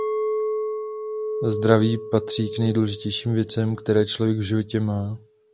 Zdraví patří k nejdůležitějším věcem, které člověk v životě má.